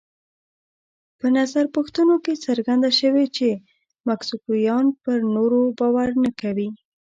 په نظر پوښتنو کې څرګنده شوې چې مکسیکویان پر نورو باور نه کوي.